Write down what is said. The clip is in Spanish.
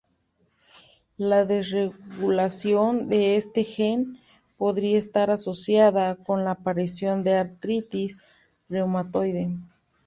La desregulación de este gen podría estar asociada con la aparición de artritis reumatoide.